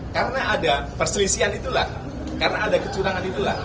karena ada perselisihan itulah karena ada kecurangan itulah